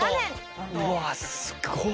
うわすごっ。